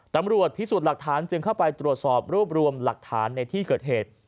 ตำรวจพิสูจน์หลักฐานจึงเข้าไปตรวจสอบรูปรวมหลักฐานในที่เกิดเหตุ